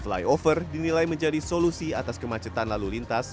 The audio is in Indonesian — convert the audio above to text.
flyover dinilai menjadi solusi atas kemacetan lalu lintas